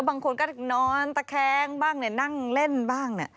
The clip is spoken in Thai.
บางคนก็นอนตะแคงบ้างนั่งเล่นบ้าง